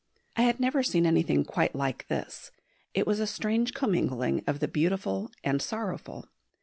I had never seen anything quite like this: it was such a strange commingling of the beautiful and sorrowful.